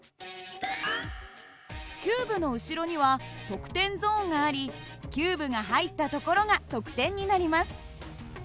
キューブの後ろには得点ゾーンがありキューブが入った所が得点になります。